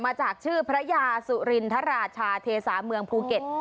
มาจากชื่อพระยาสุรินทราชาเทสาเมืองภูเก็ต